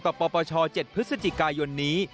ปปช๗พฤศจิกายนนี้